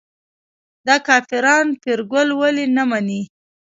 دا کافران پیرګل ولې نه مني.